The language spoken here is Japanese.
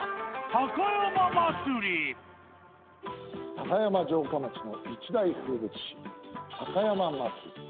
高山城下町の一大風物詩高山祭。